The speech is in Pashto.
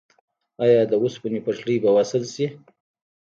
آیا د اوسپنې پټلۍ به وصل شي؟